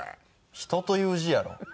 「人」という字やろ。